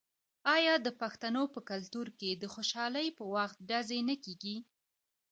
آیا د پښتنو په کلتور کې د خوشحالۍ په وخت ډزې نه کیږي؟